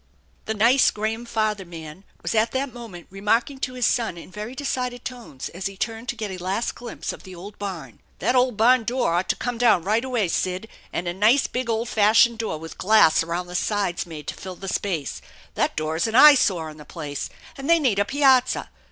The " nice Graham father man " was at that moment re marking to his son in very decided tones, as he turned to get a last glimpse of the old barn : "That old barn door ought to come down right away, Sid, and a nice big old fashioned door with glass around the sides made to fill the space. That door is an eyesore on the place, and they need a piazza.